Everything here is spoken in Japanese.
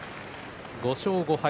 ５勝５敗。